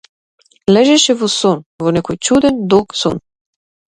Лежеше во сон, во некој чуден, долг сон.